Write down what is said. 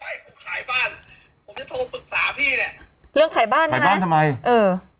ให้ผมขายบ้านผมจะโทรปรึกษาพี่เนี้ยเรื่องขายบ้านขายบ้านทำไมเออ